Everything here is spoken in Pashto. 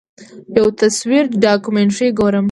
یو تصویري ډاکومنټري ګورم.